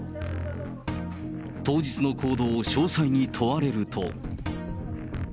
当日の行動を詳細に問われると。